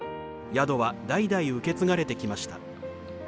宿は代々受け継がれてきました。